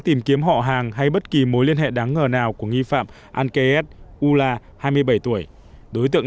tìm kiếm họ hàng hay bất kỳ mối liên hệ đáng ngờ nào của nghi phạm al keyes ula hai mươi bảy tuổi đối tượng